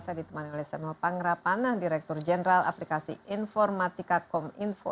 saya ditemani oleh samuel pangra panah direktur jeneral aplikasi informatika com info